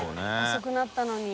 遅くなったのに。